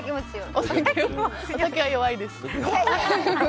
お酒は弱いです。